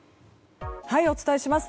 お伝えします。